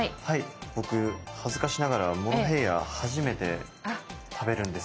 僕恥ずかしながらモロヘイヤ初めて食べるんですよ。